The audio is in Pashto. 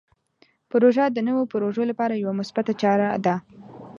پروژه د نوو پروژو لپاره یوه مثبته چاره ده.